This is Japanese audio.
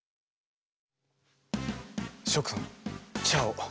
諸君チャオ。